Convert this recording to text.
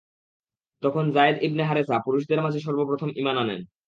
তখন Zaid ibn Haritha পুরুষদের মাঝে সর্ব প্রথম ঈমান আনেন।